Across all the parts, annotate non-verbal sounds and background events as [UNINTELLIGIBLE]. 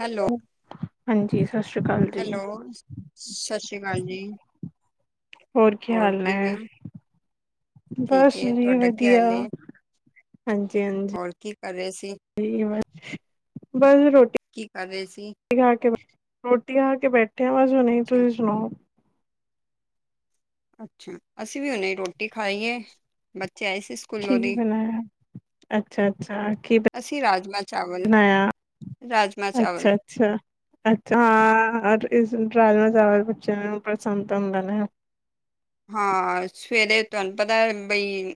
Hello. [UNINTELLIGIBLE] ਹਾਂਜੀ 'ਸਤਿ ਸ਼੍ਰੀ ਅਕਾਲ'। ਜੀ। ਹੈਲੋ, ਸਤਿ ਸ਼੍ਰੀ ਅਕਾਲ ਜੀ। ਹੋਰ ਕੀ ਹਾਲ ਨੇ। ਕਿਵੇਂ ਹੋ? ਠੀਕ ਬਸ ਏ, ਜੀ ਤੁਹਾਡਾ ਕੀ ਵਧੀਆ ਹਾਲ ਏ? ਹਾਂਜੀ, ਹਾਂਜੀ। ਰਆ ਸੀ ਠੀਕ ਮ ਬਸ ਰੋਟੀ, ਕੀ ਕਰ' ਰਹੇ ਸੀ। ਰੋਟੀ ਖਾਂ ਕੇ 'ਰੋਟੀ' ਖਾ ਕੇ ਬੈਠੇ ਆ ਵਸ ਨਹੀਂ ਅੱਛਾ, ਤੁਸੀਂ ਸੁਣਾਓ। ਅੱਛਾ, ਅਸੀਂ ਵੀਓਨੇ ਰੋਟੀ ਖਾਈਏ ਬੱਚੇ ਆਏ ਸੀ। ਸਕੂਲੋਂ ਕੀਂ ਦੀ, ਬਣਾ? [UNINTELLIGIBLE] ਅੱਛਾ, ਅੱਛਾ ਕੀ ਅਸੀਂ ਰਾਜਮਾਂ ਚਾਵਲ, ਬਣਾਇਆ। ਰਾਜਮਾਂ ਚਾਵਲ। ਅੱਛਾ ਆ ਅੱਛਾ, ਅੱਛਾ ਹਾਂ ਰਾਜਮਾ ਚਾਵਲ ਬੱਚਿਆਂ ਨੂੰ ਪਸੰਦ ਤਾਂ ਹੁੰਦਾ ਨੇ। ਹਾਂ 'ਸਵੇਰੇ' ਤੁਹਾਨੂੰ ਪਤਾ ਬਈ।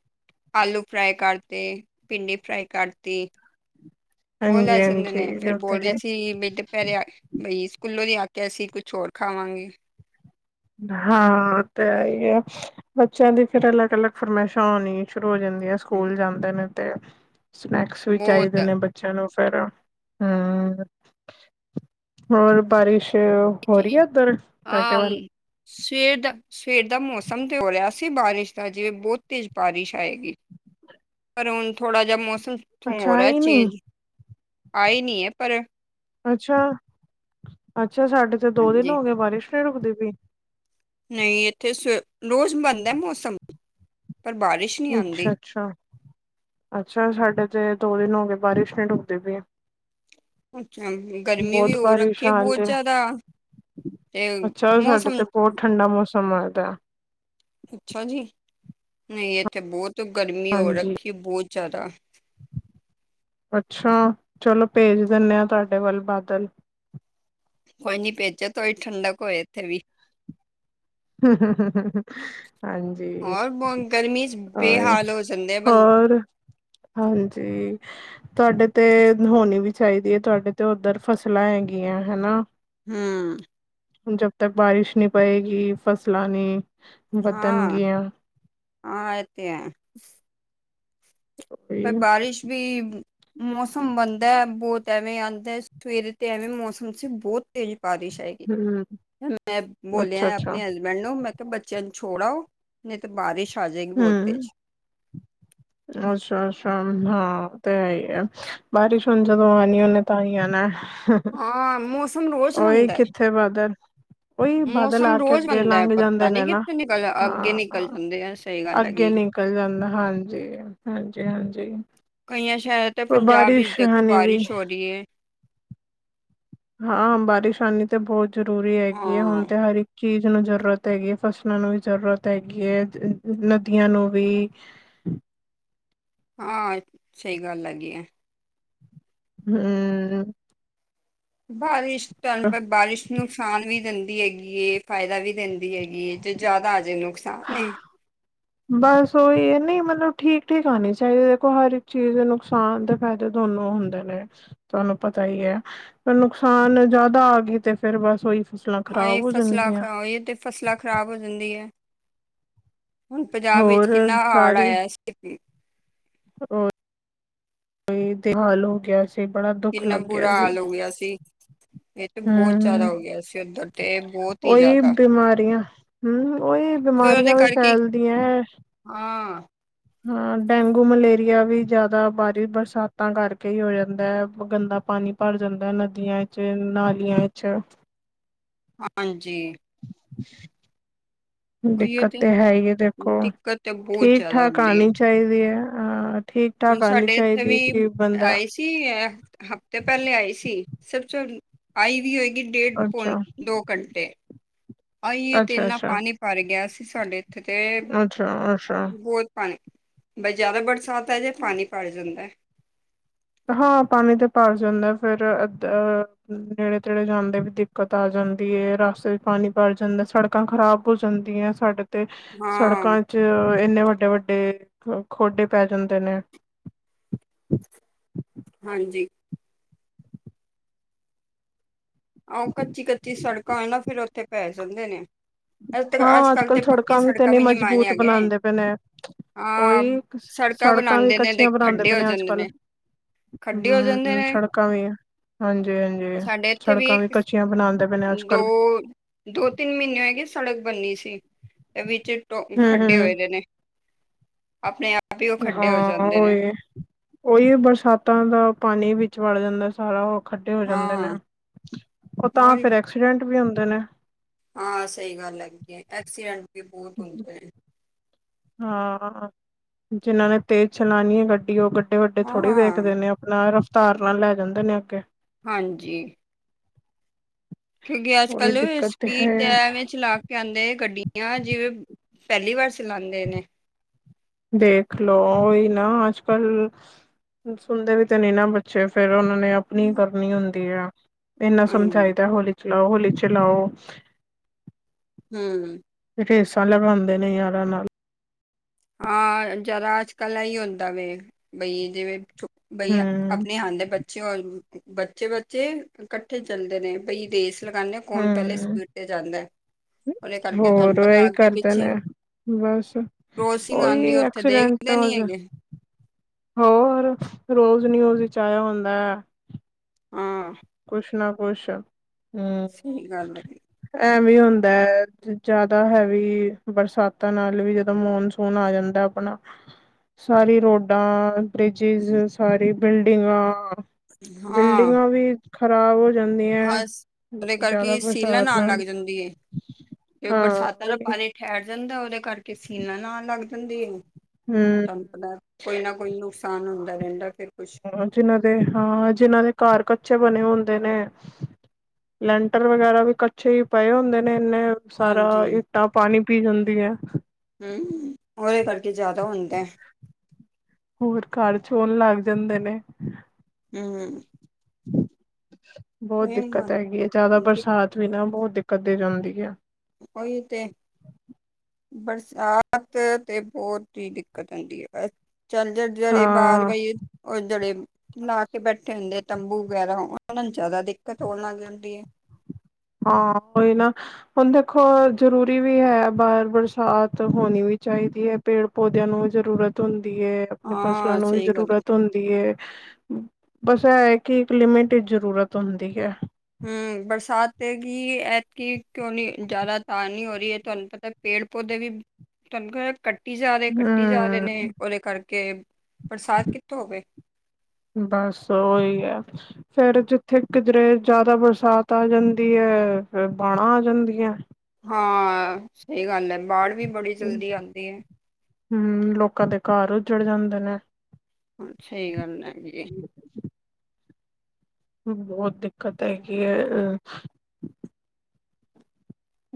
ਆਲੂ ਫਰਾਈ ਕਰਤੀ, ਭਿੰਡੀ ਫਰਾਈ ਕਰਤੀ। ਉਹ ਲੈ ਜਾਂਦੇ ਹਾਂਜੀ-ਹਾਂਜੀ, ਨੇ ਫੇਰ ਇਹ ਤਾਂ ਹੈ। ਬੋਲਦੇ ਸੀ ਮੇਢ ਪੈਰੇ ਆਂ। ਬਈ 'ਸਕੂਲੋਂ'ਦੀ ਆ ਕੇ ਅਸੀਂ ਕੁਛ ਹੋਰ ਖਾਵਾਂਗੇ। ਹਾਂ ਆਂ ਤਾ ਹੇਗਾ। ਬੱਚਿਆਂ ਦੀ ਫਿਰ ਅਲੱਗ, ਅਲੱਗ ਫਰਮਾਇਸ਼ਾਂ ਹੋਣੀ ਸ਼ੁਰੂ ਹੋ ਜਾਂਦੀਆਂ। ਸਕੂਲ ਜਾਂਦੇ ਨੇ ਤੇ 'ਸਨੈਕਸ' ਵੀ ਚਾਹੀਦੇ ਨੇ। ਬਹੁਤ ਚਲੋ ਫਿਰ, ਹਮ ਹੋਰ ਬਾਰਿਸ਼। ਹੋ ਰਹੀ ਹੈ। ਉਧਰ ਤੁਹਾਡੇ ਹਾਂ ਵੱਲ ਸਵੇਰ ਦਾ ਸਵੇਰ ਦਾ ਮੌਸਮ ਤੇ ਹੋ ਰਿਹਾ ਸੀ। ਬਾਰਿਸ਼ ਦਾ ਜਿਵੇਂ ਬਹੁਤ ਤੇਜ਼ 'ਬਾਰਿਸ਼' ਆਏਗੀ। ਪਰ ਹੁਣ ਥੋੜਾ ਜਿਹਾ ਮੌਸਮ ਥੋਂੜਾ ਅੱਛਾ ਹੋ ਰਿਹਾ ਆਈ ਨੀ 'ਚੇਂਜ' ਆਏ ਨਹੀਂ ਹੈ ਪਰ। ਅੱਛਾ, ਅੱਛਾ ਸਾਡੇ ਤੇ ਦੋ ਦਿਨ ਹਾਂਜੀ ਹੋ ਗਏ 'ਬਾਰਿਸ਼' ਨਹੀਂ ਰੁਕਦੀ ਪਈ। ਨਹੀਂ ਇੱਥੇ ਰੋਜ਼ ਬੰਣਦਾ ਹੈ। ਮੌਸਮ ਪਰ ਬਾਰਿਸ਼ ਨਹੀਂ ਆਉਂਦੀ ਅੱਛਾ, ਅੱਛਾ, ਅੱਛਾ ਸਾਡੇ ਤੇ ਦੋ ਦਿਨ ਹੋ ਗਏ। ਬਾਰਿਸ਼ ਨਹੀਂ ਡੁਕਦੀ ਪਈ ਅੱਛਾ ਗਰਮੀ ਵੀ ਬਹੁਤ ਹੋਰ ਬਾਰਿਸ਼ ਰੱਖੇ ਹਾਲ ਬਹੁਤ, ਤੇ ਜਿਆਦਾ ਤੇ ਅੱਛਾ ਸਾਡੇ ਮੌਸਮ ਤੇ ਬਹੁਤ ਠੰਡਾ ਮੌਸਮ ਆਦਾ ਅੱਛਾ ਜੀ। ਨਹੀਂ ਇੱਥੇ ਬਹੁਤ 'ਗਰਮੀ' ਹੋ ਹਾਂਜੀ ਰੱਖੀ ਬਹੁਤ ਜ਼ਿਆਦਾ ਅੱਛਾ ਚਲੋ ਭੇਜ ਦਿੰਦੇ ਹਾਂ। ਤੁਹਾਡੇ ਵੱਲ 'ਬਾਦਲ' ਕੋਈ ਨੀ ਭੇਜੋ ਥੋੜੀ 'ਠੰਡਕ' ਹੋਏ ਇੱਥੇ ਵੀ। । ਹਾਂਜੀ ਔਰ ਬਹੁਤ ਗਰਮੀ ਚ ਹੋਰ। ਬੇਹਾਲ ਹੋ ਜਾਂਦੇ ਬੰ ਹੋਰ, ਹਾਂਜੀ। ਤੁਹਾਡੇ ਤੇ ਹੋਣੀ ਵੀ ਚਾਹੀਦੀ ਹੈ, ਤੁਹਾਡੇ ਤੇ ਉੱਧਰ 'ਫਸਲਾਂ' ਹੈਗੀਆਂ ਹਨਾ। ਹੂੰ। ਜਬ ਤੱਕ 'ਬਾਰਿਸ਼' ਨਹੀਂ ਪਵੇਗੀ। ਫਸਲਾਂ ਨੂੰ ਹਾਂ, ਹਾਂ ਇ ਤੇ ਕੋਈ ਪਰ ਬਾਰਿਸ਼ ਵੀ ਮੌਸਮ ਬਣਦਾ ਹੈ। ਬਹੁਤ ਐਵੇਂ ਆਉਂਦਾ 'ਸਵੇਰੇ' ਤੇ ਐਵੇਂ ਮੌਸਮ ਸੀ ਬਹੁਤ ਤੇ ਪਾਰਿਸ਼ ਹੈਏਗੀ, ਹਮ ਮੈਂ ਅੱਛਾ ਬੋਲਿਆ ਅੱਛਾ ਆਪਣੇ ਮੈਨੂੰ ਮੈਂ ਕਿਹਾ ਬੱਚਿਆਂ ਨੂੰ ਛੋੜ ਆਓ ਨਹੀਂ ਤੇ ਬਾਰਿਸ਼ ਆ ਜਾਏਗੀ ਬਹੁਤ ਹਮ ਤੇਜ। ਅੱਛਾ, ਅੱਛਾ ਹਾਂ ਤੇ ਹੈਹੀ ਹੈ। ਬਾਰਿਸ਼ ਹੁਣ ਜਦੋਂ ਆਉਣੀ ਓਨੇ ਤਾਂ ਹੀ ਆਣਾ। ਹਾਂ ਮੌਸਮ ਰੋਜ਼ ਓਹੀ ਬਣਦਾ ਹੈ ਕਿੱਥੇ ਬਾਦਲ? ਉਹੀ ਬਾਦਲ ਆ ਮੌਸਮ ਕੇ ਰੋਜ਼ ਅੱਗੇ ਬਣਦਾ ਹੈ ਲੰਘ ਪਤਾ ਜਾਂਦੇ ਨੇ ਨੀ ਨਾ ਕਿੱਥੇ ਨਿਕਲ ਹਾਂ ਅੱਗੇ ਹਾਂ। ਨਿਕਲ ਜਾਂਦੇ ਆ ਸਹੀ ਗੱਲ ਅੱਗੇ ਹੈਗੀ ਹੈ। ਨਿਕਲ ਜਾਂਦਾ ਹਾਂਜੀ, ਹਾਂਜੀ ਹਾਂਜੀ। ਕਈਆਂ ਸ਼ਹਿਰਾਂ ਤੇ ਪੰਜਾਬ ਵਿੱਚ ਬਾਰਿਸ਼ ਦੇਖੋ, ਹਨੀ ਵੀ ਬਾਰਿਸ਼ ਹੋ ਰਹੀ ਏ। ਹਾਂ, ਬਾਰਿਸ਼ ਆਨੀ ਤੇ ਬਹੁਤ ਜ਼ਰੂਰੀ ਹੈਗੀ ਹੈ। ਹਾਂ ਹੁਣ ਤੇ ਹਰ ਚੀਜ਼ ਨੂੰ ਜਰੂਰਤ ਹੈਗੀ ਹੈ, ਫਸਲਾਂ ਨੂੰ ਵੀ ਜ਼ਰੂਰਤ ਹੈਗੀ ਹੈ, ਨਦੀਆਂ ਨੂੰ ਵੀ। ਹਾਂ, ਸਹੀ ਗੱਲ ਹੈਗੀ ਹੈ। ਹੂੰ। ਬਾਰਿਸ਼, [UNINTELLIGIBLE] ਬਾਰਿਸ਼ ਨੁਕਸਾਨ ਵੀ ਦਿੰਦੀ ਹੈਗੀ ਹੈ। ਫ਼ਾਇਦਾ ਵੀ ਦਿੰਦੀ ਹੈਗੀ ਜੇ ਜ਼ਿਆਦਾ ਆ ਜੇ ਨੁਕਸਾਨ ਨੇ। ਬਸ ਉਹੀ ਹੈ ਨਹੀਂ ਮਤਲਬ ਠੀਕ, ਠੀਕ ਆਉਣੀ ਚਾਹੀਦੀ ਦੇਖੋ ਹਰ ਇੱਕ ਚੀਜ਼ ਨੁਕਸ ਹਾਨ ਦੇ ਫਾਇਦੇ ਦੋਨੋ ਹੁੰਦੇ ਨੇ। ਤੁਹਾਨੂੰ ਪਤਾ ਹੀ ਹੈ ਫ ਨੁਕਸਾਨ ਜ਼ਿਆਦਾ ਆ ਗਈ ਤੇ ਫਿਰ ਬਸ ਉਹੀ ਫਸਲਾਂ ਖਰਾਬ ਹਾਏ ਹੋ ਫਸਲਾਂ ਜਾਣਗੀਆਂ। ਖਰਾਬ ਇਹ ਤੇ ਫਸਲਾਂ ਖ਼ਰਾਬ ਹੋ ਜਾਂਦੀ ਹੈ ਪੰਜਾਬ ਵਿੱਚ ਹੋਰ ਕਿੰਨਾ ਹਾੜ ਆਇਆ। ਕਿ [UNINTELLIGIBLE] ਹੋਰ ਤੇ ਹਾਲ ਹੋ ਗਿਆਿ ਸੀ। ਬੜਾ ਦੁੱਖ ਕਿੰਨਾ, ਲੱਗਿਆ ਬੁਰਾ ਹਾਲ ਹੋ ਗਿਆ ਸੀ। ਤੇ ਬਹੁਤ ਹੁੰ, ਜ਼ਿਆਦਾ ਹੁੰ ਹੋ ਗਿਆ ਸੀ ਉੱਧਰ ਤੇ ਬਹੁਤ ਹੀ ਉਹੀ ਜ਼ਿਆਦਾ ਬਿਮਾਰੀਆਂ ਹੁੰ ਉਹੀ ਬਿਮਾਰੀਆਂ ਵੀ ਫੈਲਦੀਆਂ ਐ। ਆ। ਹਾਂ, ਡੇਂਗੂ ਮਲੇਰੀਆ ਵੀ ਜ਼ਿਆਦਾ ਭਾਰੀ ਬਰਸਾਤਾਂ ਕਰਕੇ ਹੀ ਹੋ ਜਾਂਦਾ ਹੈ ਗੰਦਾ ਪਾਣੀ ਭਰ ਜਾਂਦਾ ਏ, ਨਦੀਆਂ ਚ ਨਾਲੀਆਂ ਚ। ਹਾਂਜੀ। ਦਿੱਕਤ ਤੇ ਹੈ ਹੀ ਹੈ ਦੇਖੋ, ਦਿੱਕਤ ਤੇ ਬਹੁਤ ਜ਼ਿਆਦਾ ਠੀਕ-ਠਾਕ ਹੁੰਦੀ ਹੈ ਆਉਣੀ ਚਾਹੀਦੀ ਏ ਹਾਂ। ਠੀਕ, ਠਾਕ ਆਣੀ ਚਾਹੀਦੀ ਹੈ ਕਿ ਬੰਦਾ ਕੀ ਐ ਹਫ਼ਤੇ ਪਹਿਲੇ ਆਈ ਸੀ ਸਭ ਚ ਆਈ ਵੀ ਹੋਏ ਡੇਢ ਪੋ ਅੱਛਾ ਦੋ ਘੰਟੇ ਆਈ ਤੇ ਅੱਛਾ ਇਨਾ ਅੱਛਾ ਪਾਣੀ ਭਰ ਗਿਆ ਸੀ ਸਾਡੇ ਇੱਥੇ ਤੇ ਅੱਛਾ, ਅੱਛਾ [UNINTELLIGIBLE] ਬਹੁਤ ਪਾਣੀ ਬੈ ਜ਼ਿਆਦਾ ਬਰਸਾਤ ਆ ਜੇ ਤੇ ਪਾਣੀ ਭਰ ਜਾਂਦਾ ਹੈ। ਹਾਂ, ਪਾਣੀ ਤੇ ਭਰ ਜਾਂਦਾ ਏ ਫੇਰ ਅ ਨੇੜੇ, ਤੇੜੇ ਜਾਂਦੇ ਵੀ ਦਿੱਕਤ ਆ ਜਾਂਦੀ ਐ ਰਸਤੇ ਵਿੱਚ ਪਾਣੀ ਭਰ ਜਾਂਦਾ ਸੜਕ ੜਕਾ ਖ਼ਰਾਬ ਹੋ ਜਾਂਦੀਆਂ ਸਾਡੇ ਤੇ ਹਾਂ ਸੜਕਾਂ ਚ ਇੰਨੇ ਵੱਡੇ, ਵੱਡੇ ਖੋਡੇ ਪੈ ਜਾਂਦੇ ਨੇ। ਹਾਂਜੀ। ਆਹ ਕੱਚੀ, ਕੱਚੀ ਸੜਕਾਂ ਆ ਨਾ ਫੇਰ ਉੱਥੇ ਪੈ ਜਾਂਦੇ ਨੇ। ਅੱਜ ਤੱਕ ਹਾਂ, ਅੱਜ ਕੱਲ੍ਹ ਤੇ ਪੱਕੀ ਸੜਕਾਂ ਵੀ ਤੇ ਨੀ ਮਾਇਨੇ ਮਜ਼ਬੂਤ ਹੈਗੇ ਬਣਾਂਦੇ ਪਏ ਨੇ। ਹਾਂ ਉਹੀ, ਸੜਕਾਂ ਵੀ ਬਣਾਉਂਦੇ ਨੇ ਤੇ ਕੱਚੀਆਂ ਬਣਾਉਦੇ ਖੱਡੇ ਪਏ ਹੋ ਨੇ ਅੱਜ ਜਾਂਦੇ ਕੱਲ। ਹੁੰ, ਖੱਡੇ ਹੋ ਜਾਂਦੇ ਹੁੰ ਨੇ ਸੜਕਾਂ ਵੀ ਹਾਂਜੀ, ਹਾਂਜੀ ਸਾਡੇ ਇੱਥੇ ਸੜਕ ਕ ਵੀ ਇੱਕ ਕਚੀਆਂ ਸ- ਬਣਾਉਂਦੇ ਪਏ ਨੇ ਅਜ ਦੋ ਕੱਲ। ਦੋ ਤਿੰਨ ਮਹੀਨੇ ਹੋਏਗੀ ਸੜਕ ਬੰਨਨੀ ਸੀ ਵਿੱਚ ਟੋ ਹਮ ਖੱਡੇ ਹੋਏ ਹਮ ਦੇ ਨੇ। ਆਪਣੇ ਆਪ ਹੀ ਉਹ ਖੱਡੇ ਹੋ ਹਾਂ ਜਾਂਦੇ ਨੇ ਉਹੀ ਓਈ ਬਰਸਾਤਾਂ ਦਾ ਪਾਣੀ ਵਿੱਚ ਵੜ ਜਾਂਦਾ ਸਾਰਾ ਖੱਡੇ ਹੋ ਜਾਂਦੇ ਨੇ ਹਾਂ ਉਹ ਤਾਂ ਹੋਰ ਫੇਰ ਐਕਸੀਡੈਂਟ ਵੀ ਹੁੰਦੇ ਨੇ। ਹਾਂ, ਸਹੀ ਗੱਲ ਹੈਗੀ ਏ ਐਕਸੀਡੈਂਟ ਵੀ ਬਹੁਤ ਹੁੰਦੇ ਨੇ। ਹਾਂ, ਜਿੰਹਨਾਂ ਨੇ ਤੇਜ਼ ਚਲਾਣੀ ਏ ਗੱਡੀ ਓ ਗੱਡੇ, ਵੱਡੇ ਥੋੜ੍ਹੀ ਹਾਂ ਦੇੇਖਦੇ ਨੇ। ਨਾਲ ਰਫਤਾਰ ਨਾਲ ਲੈ ਜਾਂਦੇ ਨੇ ਅੱਗੇ। ਹਾਂਜੀ। ਕਿਉਂਕਿ ਉਹੀ ਅੱਜ-ਕੱਲ ਦਿੱਕਤ ਸਪੀਡ ਹੈ ਤੇ ਐਵੇਂ ਚਲਾ ਕਹਿੰਦੇ ਗੱਡੀਆਂ ਜਿਵੇਂ ਪਹਿਲੀ ਵਾਰ ਚਲਾਉਂਦੇ ਨੇ ਦੇਖਲੋ ਉਹੀ ਨਾ ਅੱਜ-ਕੱਲ ਸੁਣਦੇ ਵੀ ਤੇ ਨਹੀ ਨਾ ਬੱਚੇ, ਫੇਰ ਉਹਨਾਂ ਨੇ ਅਪਣੀ ਕਰਨੀ ਹੁੰਦੀ ਆ ਇੰਨਾ ਹਾਂਜੀ ਸਮਝਾਈਦਾ ਹੋਲੀ ਚਲਾਓ, ਹੋਲੀ ਚਲਾਓ। ਹੂ। ਰੇਸਾਂ ਲਗਾਂਦੇ ਨੇ ਯਾਰਾਂ ਨਾਲ। ਹਾਂ, ਜਰਾ ਅੱਜ ਕੱਲ ਇਹ ਹੀ ਹੁੰਦਾ ਵੇ ਬਈ ਜਿਵੇਂ ਬਈ ਹਮ ਆਪਣੇ ਹਾਣ ਦੇ ਬੱਚੇ-ਬੱਚੇ-ਬੱਚੇ ਇਕੱਠੇ ਚਲਦੇ ਨੇ ਬਈ ਰੇਸ ਲਗਾਨੇ ਆ ਕੌਣ ਪਹਿਲੇ ਹਮ ਸਪੀਡ ਤੇ ਜਾਂਦਾ ਹੈ, ਉਹਦੇ ਕਰਕੇ ਹੋਰ ਤੁਹਾਨੂੰ ਪਤਾ ਇਹੀ ਅੱਗੇ ਕਰਦੇ ਪਿੱਛੇ ਨੇ ਬਸ, ਕਰੋਸਿੰਗ ਓਹੀ ਆਉਂਦੀ ਉੱਥੇ ਐਕਸੀਡੈਂਟ ਦੇਖਦੇ ਨੀ ਅੱਜ ਹੈਗੇ ਹੋਰ ਰੋਜ਼ ਨਿਊਜ਼ ਵਿਚ ਆਇਆ ਹੁੰਦਾ ਹੈ। ਹਾਂ। ਕੁਛ ਨਾ ਕੁਛ, ਹਮ ਸਹੀ ਗੱਲ ਹੈ ਐਵੀ ਹੁੰਦਾ ਹੈ, ਜ਼ਿਆਦਾ ਹੈਵੀ ਬਰਸਾਤਾਂ ਨਾਲ ਵੀ ਜਦੋਂ ਮੌਨਸੂਨ ਆ ਜਾਂਦਾ ਆਪਣਾ ਸਾਰੀ ਰੋਡਾਂ। ਬ੍ਰਿਜਿਸ ਸਾਰੀ ਬਿਲਡਿੰਗਾਂ, ਹਾਂ ਬਿਲਡਿੰਗਾਂ ਵੀ ਖ਼ਰਾਬ ਹੋ ਜਾਂਦੀਆਂ ਹਸ ਦੇ ਜ਼ਿਆਦਾ ਕਰਕੇ ਸੀਲਨ ਬਰਸਾਤ ਆਉਣ ਲੱਗ ਨਾਲ ਜਾਂਦੀ ਏ ਤੇ ਹਾਂ ਬਰਸਾਤਾਂ ਦਾ ਪਾਾਣੀਠਹਿਰ ਜਾਂਦਾ ਉਹਦੇ ਕਰਕੇ ਸੀਲਨ ਨਲ ਲੱਗ ਜਾਂਦੇ ਆ, ਹੂੰ ਦਾ ਕੋਈ ਨਾ ਕੋਈ ਨੁਕਸਾਨ ਹੁੰਦਾ ਰਹਿੰਦਾ ਫੇਰ ਕੁਛ ਹਾ ਜਿਨਾਂ ਦੇ ਹਾਂ ਜਿੰਨਾਂ ਦੇ ਘਰ ਕੱਚੇ ਬਣੇ ਹੁੰਦੇ ਨੇ ਲੈਂਟਰ ਵਗੈਰਾ ਵੀ ਕੱਚੇ ਹੀ ਪਾਏ ਹੁੰਦੇ ਨੇ ਇੰਨੇ ਸਾਰਾ ਹਾਂਜੀ ਇੱਟਾਂ ਪਾਣੀ ਪੀ ਜਾਂਦੀਆਂ। ਹੂਮ ਉਹਦੇ ਕਰਕੇ ਜ਼ਿਆਦਾ ਹੁੰਦਾ ਹੋਰ ਘਰ ਚੋਣ ਲੱਗ ਜਾਂਦੇ ਨੇ ਹੂ ਬਹੁਤ ਦਿੱਕਤ ਮ- ਹੈਗੀ ਹੈ, ਜ਼ਿਆਦਾ ਬਰਸਾਤ ਵੀ ਨਾ ਬਹੁਤ ਦਿੱਕਤ ਦੇ ਜਾਂਦੀ ਹੈ। ੳਹੀ ਤੇ ਬਰਸਾਤ ਤੇ ਬਹੁਤ ਹੀ ਦਿੱਕਤ ਹੁੰਦੀ ਏ, ਬਸ ਚੱਲ ਜੇ ਜਰੇ ਬਾਹਰ ਹਾਂ ਬਈ ਉਹ ਜਿਹੜੇ ਮਲਾ ਕੇ ਬੈਠੇ ਹੁੰਦੇ ਤੰਬੂ ਵਗੈਰਾ ਉਹਨਾਂ ਨੂੰ ਜਿਆਦਾ ਦਿੱਕਤ ਹੋਣ ਲੱਗ ਜਾਂਦੀ ਏ। ਹਾਂ ੳਹੀ ਨਾ ਹੁਣ ਦੇਖੋ ਜ਼ਰੂਰੀ ਵੀ ਹੈ ਪਰ ਬਰਸਾਤ ਹੋਣੀ ਵੀ ਚਾਹੀਦੀ ਹੈ। ਪੇੜ ਪੌਦਿਆਂ ਨੂੰ ਵੀ ਜ਼ਰੂਰਤ ਹੁੰਦੀ ਹੈ, ਆਪਣੀ ਫਸਲਾਂ ਹਾਂ, ਨੂੰ ਵੀ ਸਹੀ ਗੱਲ ਹੈ। ਜ਼ਰੂਰਤ ਹੁੰਦੀ ਹੈ। ਬਸ ਇਹ ਕਿ ਇੱਕ ਲਿਮਿਟ ਵਿਚ ਜ਼ਰੂਰਤ ਹੁੰਦੀ ਹੈ। ਹਮ ਬਰਸਾਤ ਕੀ ਐਤਕੀ ਕਿਉਂ ਨੀ ਜ਼ਿਆਦਾ ਤਾਂ ਨਹੀਂ ਹੋ ਰਹੀ ਹੈ ਤੁਹਾਨੂੰ ਪਤਾ। ਪੇੜ ਪੌਦੇ ਵੀ ਤੁਹਾਨੂੰ ਕੱ ਕੱਟੀ ਜਾ ਰ ਕੱਟੀ ਜਾ ਰਹੇ ਹਮ ਨੇ ਉਹਦੇ ਕਰਕੇ ਬਰਸਾਤ ਕਿੱਥੋਂ ਹੋਵੇ ਬਸ ਓਹੀ ਐ। ਫੇਰ ਜਿੱਥੇ ਜ਼ਿਆਦਾ ਬਰਸਾਤ ਆ ਜਾਂਦੀ ਏ, ਫਿਰ ਬਾੜਾ ਆ ਜਾਂਦੀਆਂ ਹਾਂ ਸਹੀ ਗੱਲ ਹੈ ਬਾੜ ਵੀ ਬੜੀ ਜਲਦੀ ਆਉਂਦੀ ਹੈ ਹਾ ਲੋਕਾਂ ਦੇ ਘਰ ਉੱਜੜ ਜਾਂਦੇ ਨੇ, ਸਹੀ ਗੱਲ ਐ [UNINTELLIGIBLE] ਬਹੁਤ ਦਿੱਕਤ ਹੈਗੀ ਹੈ ਅ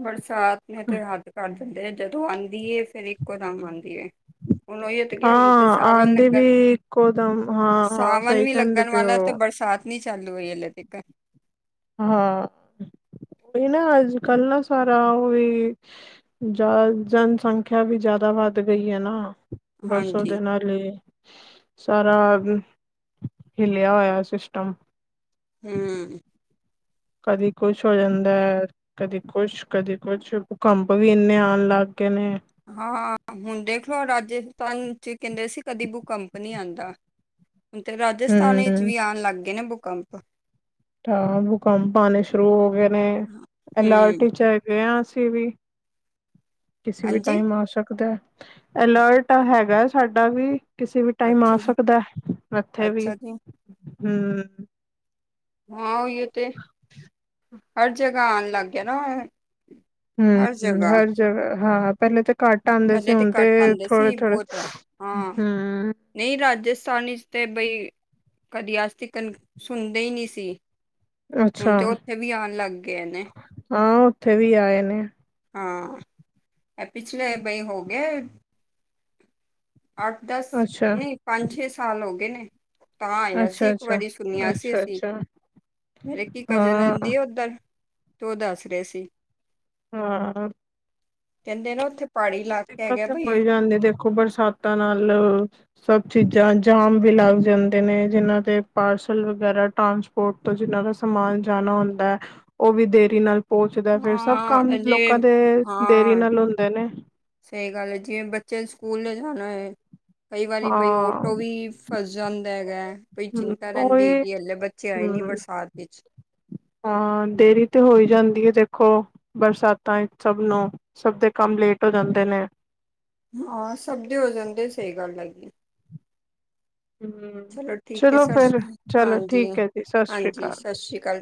ਬਰਸਾਤ ਨੇ ਤੇ ਹੱਦ ਕਰ ਦਿੱਤੀ ਆ ਜਦੋਂ ਆਉਂਦੀ ਫੇਿਰ ਇੱਕੋ ਦਮ ਆਉਂਦੀ ਏ ਹੁਣ ਉਹੀ ਤੇ ਗਿਆ ਹੁਣ ਤੇ ਹਾਂ ਸਾਵਣ ਆਂਦੀ ਲੱਗਣ ਵੀ ਇੱਕੋ ਦਮ ਹਾਂ ਹਾਂ ਸਾਵਣ ਸਹੀ ਵੀ ਕਹਿੰਦੇ ਲੱਗਣ ਪਏ ਵਾਲਾ ਹੋ ਤੇ ਬਰਸਾਤ ਨਾ ਚਾਲੂ ਹੋਈ ਹਲ ਤੀਕ ਹਾਂ ਉਹ ਨਾ ਅੱਜ ਕੱਲ ਨਾ ਸਾਰਾ ਉਹ ਵੀ, ਜ ਜਨਸੰਖਿਆ ਵੀ ਜ਼ਿਆਦਾ ਵੱਧ ਗਈ ਏ ਨਾ, ਬੱਸ ਹਾਂਜੀ ਉਹਦੇ ਨਾਲ ਹੀ ਸਾਰਾ ਹਿੱਲਿਆ ਹੋਇਆ ਸਿਸਟਮ ਹੂੰ, ਕਦੀ ਕੁਛ ਹੋ ਜਾਂਦਾ ਹੈ। ਕਦੀ ਕੁਛ, ਕਦੀ ਕੁਛ, ਭੂਕੰਪ ਵੀ ਇੰਨੇ ਆਣ ਲੱਗ ਗਏ ਨੇ। ਹਾਂ, ਹੁਣ ਦੇਖ ਲੋ ਰਾਜਸਥਾਨ ਚ ਕਹਿੰਦੇ ਸੀ ਕਦੀ ਬੂਕੰਪ ਨੀ ਆਂਦਾ। ਤੇ ਰਾਜਸਥਾਨ ਵਿੱਚ ਹਮ ਵੀ ਆਣ ਲੱਗ ਗਏ ਨੇ ਭੂਕੰਪ ਤਾਂ ਭੂਕੰਪ ਆਣੇ ਸ਼ੁਰੂ ਹੋ ਗਏ ਨੇ ਹੂੰ ਅਲਰਟੀ ਚ, ਗਏ ਹਾਂ ਅਸੀਂ ਵੀ ਕਿਸੇ ਵੀ ਹਾਂਜੀ ਟਾਈਮ ਆ ਸਕਦਾ। ਅਲਰਟ ਤਾਂ ਹੈਗਾ ਸਾਡਾ ਵੀ। ਕਿਸੇ ਵੀ ਟਾਈਮ ਆ ਅੱਛਾ ਜੀ ਸਕਦਾ ਇੱਥੇ ਵੀ ਅੱਛਾ ਜੀ ਹਮ, ਹਾਂ ਓਹੀਏ ਤੇ ਹਰ ਜਗ੍ਹਾ ਆਣ ਲੱਗ ਗਿਆ ਨਾ ਹਰ ਹਮ ਜਗ੍ਹਾ ਹਰ ਜਗ੍ਹਾ ਹਾਂ ਪਹਿਲੇ ਤਾਂ ਘੱਟ ਆਂਦੇ ਸੀ ਪਹਿਲੇ ਹੁਣ ਤੇ ਘੱਟ ਆਂਦੇ ਥੋੜੇ ਸੀ ਥੋੜੇ ਬਹੁਤ ਹਾਂ ਹਮ ਨਹੀਂ ਰਾਜਸਥਾਨੀ ਚ ਤੇ ਬਈ ਕਦੀ ਅਜ ਤਿਕਣ ਸੁਣਦੇ ਹੀ ਨਹੀਂ ਸੀ, ਅੱਛਾ ਹੁਣ ਤੇ ਉੱਥੇ ਵੀ ਆਣ ਲੱਗ ਗਏ ਨੇੇ। ਹਾਂ ਉੱਥੇ ਵੀ ਆਏ ਨੇ। ਹਾਂ ਇਹ ਪਿਛਲੇ ਬਈ ਹੋ ਗਿਆ। ਅੱਠ ਦਸ ਅੱਛਾ ਨਹੀਂ ਪੰਜ ਛੇ ਸਾਲ ਹੋ ਗਏ ਨੇ ਤਾਂ ਆਏਆ ਸੀ ਅੱਛਾ ਇੱਕ ਅੱਛਾ ਵਾਰੀ ਸੁਣਿਆ ਸੀ ਅੱਛਾ ਅਸੀਂ ਅੱਛਾ ਮੇਰੇ ਇਕੀ ਕਜ਼ਨ ਹਾਂ ਰੈਂਦੀ ਆ ਉੱਧਰ, ਤੇ ਉਹ ਦੱਸ ਰਹੇ ਸੀ। ਹਾਂ ਕਹਿੰਦੇ ਨਾ ਉੱਥੇ ਪਹਾੜੀ ਇਲਾਕਾ ਹੈਗਾ ਦਿੱਕਤ ਹੋ ਬਈ ਹੀ ਜਾਂਦੀ ਦੇਖੋ ਬਰਸਾਤਾਂ ਨਾਲ ਸਭ ਚੀਜ਼ਾਂ ਜਾਮ ਵੀ ਲੱਗ ਜਾਂਦੇ ਨੇ ਜਿਨਾਂ ਦੇ ਪਾਰਸਲ ਵਗੈਰਾ ਟਰਾਂਸ ਰਟ ਤੋਂ ਜਿਨਾਂ ਦਾ ਸਮਾਨ ਜਾਣਾ ਹੁੰਦਾ ਹੈ ਉਹ ਵੀ ਦੇਰੀ ਨਾਲ, ਪੋਚਦਾ ਫੇਿਰ ਸਭ ਕੰਮ ਹਾਂ ਜੇ ਲੋਕਾਂ ਦੇ ਦੇਰੀ ਨਾਲ ਹੁੰਦੇ ਨੇ ਇਹ ਗੱਲ ਜਿਵੇਂ ਬੱਚੇ ਸਕੂਲ ਜਾਣਾ ਹੈ ਕਈ ਵਾਰੀ ਬਈ ਓ ਹਾਂ ਟੋ ਵੀ ਫਸ ਜਾਂਦਾ ਹੈਗਾ ਬਈ ਹਮ ਚਿੰਤਾ ਰਹਿੰਦੀ ਉਹੀ ਹੈਗੀ ਹੱਲੇ ਬੱਚੇ ਆਏ ਨੀ ਬਰਸਾਤ ਵਿੱਚ ਹਾਂ ਹਾਂ, ਦੇਰੀ ਤੇ ਹੋਈ ਜਾਂਦੀ ਏ ਦੇਖੋ। ਬਰਸਾਤਾਂ ਸਭ ਨੂੰ ਸਭ ਦੇ ਕੰਮ ਲੇਟ ਹੋ ਜਾਂਦੇ ਨੇ ਹਾਂ ਸਭ ਦੇ ਹੋ ਜਾਂਦੇ ਸਹੀ ਗੱਲ ਹੈਗੀ। ਹਮ ਠੀਕ ਹੈ ਚਲੋ ਸਤਿ ਫਿਰ ਸ਼੍ਰੀ ਚਲੋ ਹਾਂਜੀ ਠੀਕ ਹੈ ਜੀ ਸਤਿ ਸ਼੍ਰੀ ਹਾਂਜੀ ਅਕਾਲ ਸਤਿ ਸ਼੍ਰੀ ਅਕਾਲ